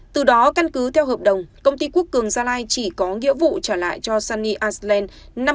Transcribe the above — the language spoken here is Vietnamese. từ đó căn cứ theo hợp đồng công ty quốc cường gia lai chỉ có nghĩa vụ trả lại cho sunny iceland